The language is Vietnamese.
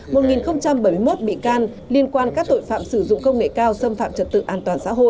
một bảy mươi một bị can liên quan các tội phạm sử dụng công nghệ cao xâm phạm trật tự an toàn xã hội